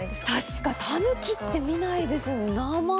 確かにタヌキって見ないですね。